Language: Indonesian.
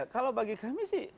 kalau bagi kami sih